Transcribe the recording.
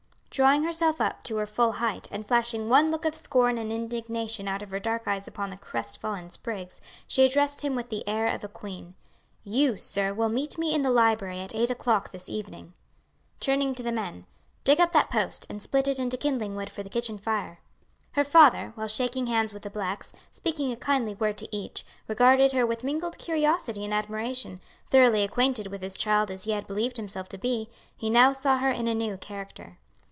Drawing herself up to her full height, and flashing one look of scorn and indignation out of her dark eyes upon the crest fallen Spriggs, she addressed him with the air of a queen. "You, sir, will meet me in the library at eight o'clock this evening." Turning to the men, "Dig up that post, and split it into kindling wood for the kitchen fire." Her father, while shaking hands with the blacks, speaking a kindly word to each, regarded her with mingled curiosity and admiration; thoroughly acquainted with his child as he had believed himself to be, he now saw her in a new character.